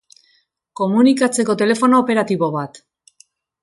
Komunikatzeko telefono operatibo bat.